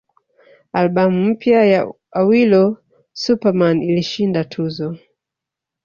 Albamu mpya ya Awilo Super Man ilishinda tuzo